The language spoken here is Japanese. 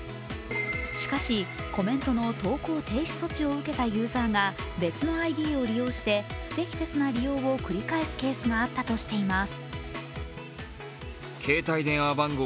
しかしコメントの投稿停止措置を受けたユーザーが別のＩＤを利用して不適切な利用を繰り返すケースがあったとしています。